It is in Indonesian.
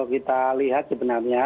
kalau kita lihat sebenarnya